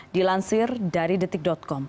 dilansir dari detik com